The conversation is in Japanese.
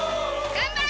頑張れ！